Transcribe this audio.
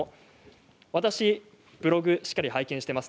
私、ブログをしっかり拝見しています。